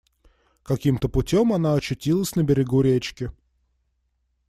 Каким-то путем она очутилась на берегу речки.